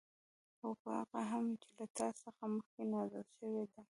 او په هغه هم چې له تا څخه مخكي نازل شوي دي